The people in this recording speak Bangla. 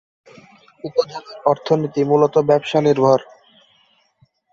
উপজেলার অর্থনীতি মূলত ব্যবসা নির্ভর।